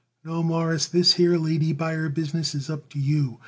No, Mawruss, this here lady buyer business is up to you.